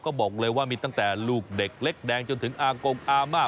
ก็บอกเลยว่ามีตั้งแต่ลูกเด็กเล็กแดงจนถึงอากงอาม่า